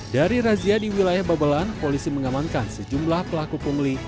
dari razia di wilayah babelan polisi mengamankan sejumlah pelaku pungli